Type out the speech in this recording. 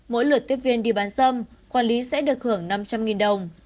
mỗi lượt tiếp viên đi bán dâm quản lý sẽ được hưởng năm trăm linh đồng